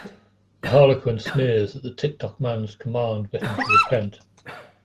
The Harlequin sneers at the Ticktockman's command for him to repent.